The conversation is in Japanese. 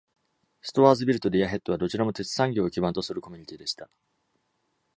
ストーアーズビルとディアヘッドはどちらも、鉄産業を基盤とするコミュニティでした。